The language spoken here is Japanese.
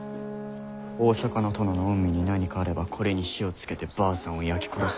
大坂の殿の御身に何かあればこれに火をつけてばあさんを焼き殺す。